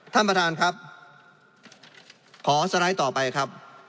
ท่านประธานครับขอสไลด์ต่อไปครับ